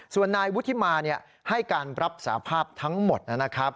ส่วนนายวุฒิมาให้การรับสาภาพทั้งหมดนะครับ